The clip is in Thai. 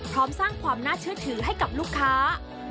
สร้างความน่าเชื่อถือให้กับลูกค้า